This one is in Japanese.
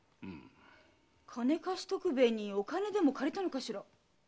金貸し徳兵衛にお金でも借りたのかしら？